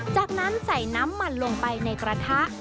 จากนั้นใส่น้ำมันลงไปในกระทะ